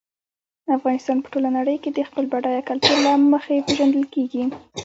افغانستان په ټوله نړۍ کې د خپل بډایه کلتور له مخې پېژندل کېږي.